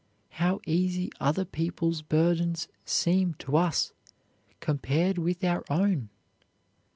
How easy other people's burdens seem to us compared with our own!